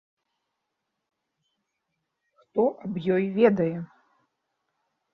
Хто аб ёй ведае?